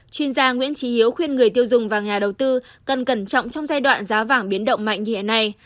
chuyên gia nguyễn trí hiếu khuyên người tiêu dùng và nhà đầu tư cần cẩn trọng trong giai đoạn giá vàng biến động mạnh như hiện nay